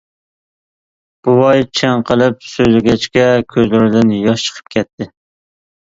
بوۋاي چىڭقىلىپ سۆزلىگەچكە كۆزلىرىدىن ياش چىقىپ كەتتى.